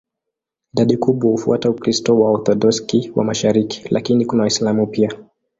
Idadi kubwa hufuata Ukristo wa Waorthodoksi wa mashariki, lakini kuna Waislamu pia.